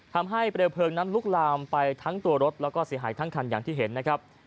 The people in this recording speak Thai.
ทำให้เปลวเพลิงนั้นลุกลามไปทั้งตัวรถแล้วก็เสียหายทั้งคันอย่างที่เห็นนะครับ